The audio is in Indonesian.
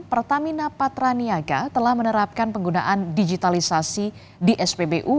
pertamina patraniaga telah menerapkan penggunaan digitalisasi di spbu